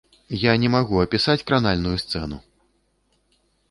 Я не магу апісаць кранальную сцэну!